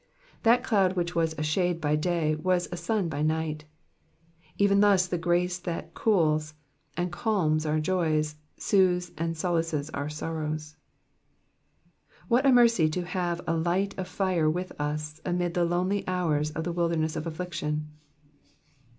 That cloud which was a shade by day was as a sun by night. Even thus the grace which cooU and calms our joys, soothes and solaces our sorrows. What a mercy to have a light of fire with us amid the lonely horrors of the wilderness of affliction.